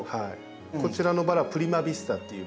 こちらのバラプリマヴィスタという。